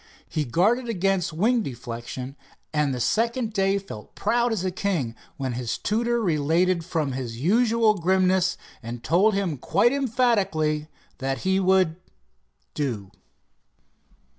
He guarded against wing deflection, and the second day felt proud as a king when his tutor relented from his usual grimness, and told him quite emphatically that he would "do."